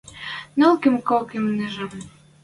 Нӓл кым кӧк имнижӹм